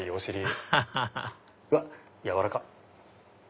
アハハうわっ軟らかっ！